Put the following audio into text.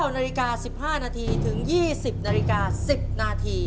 ๑๙น๑๕นถึง๒๐น๑๐น